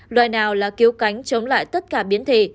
loại nào là cứu cánh chống lại tất cả biến thể